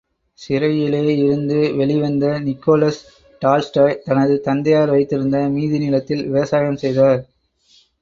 சிறையிலே இருந்து வெளிவந்த நிகோலஸ் டால்ஸ்டாய், தனது தந்தையார் வைத்திருந்த மீதி நிலத்தில் விவசாயம் செய்தார்.